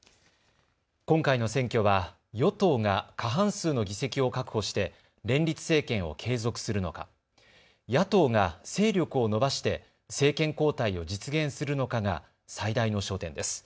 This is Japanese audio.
今回の選挙は与党が過半数の議席を確保して連立政権を継続するのか、野党が勢力を伸ばして政権交代を実現するのかが最大の焦点です。